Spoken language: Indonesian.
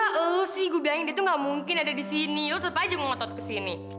lo sih gue bilangin dia tuh gak mungkin ada di sini lo tetep aja mau ngotot ke sini